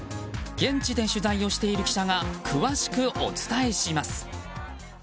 現地で取材をしている記者が詳しくお伝えします。